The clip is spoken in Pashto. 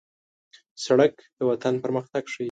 سړک د وطن پرمختګ ښيي.